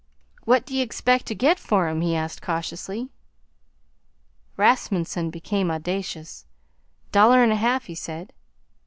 "What d'ye expect to get for 'em?" he asked cautiously. Rasmunsen became audacious. "Dollar 'n a half," he said.